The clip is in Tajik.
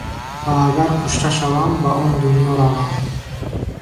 Ва агар кушта шавам, ба он дунё равам.